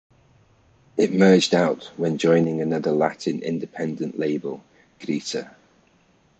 It merged out when joining another Latin independent label Grita!